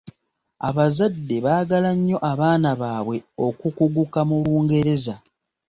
Abazadde baagala nnyo abaana baabwe okukuguka mu Lungereza.